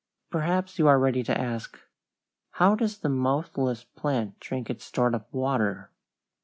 Perhaps you are ready to ask, "How does the mouthless plant drink its stored up water?"